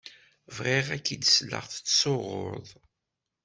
Bɣiɣ ad k-id-sleɣ tettsuɣuḍ.